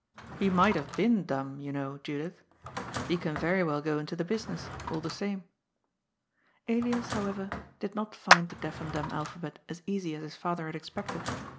He might have been dumb, you know, Judith. He can very well go into the business, all the same." Elias, however, did not find the deaf and dumb alphabet as easy as his father had expected.